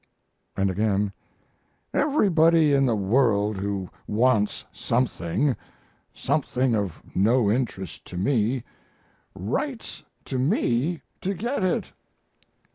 And again: "Everybody in the world who wants something something of no interest to me writes to me to get it."